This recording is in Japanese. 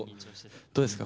どうですか？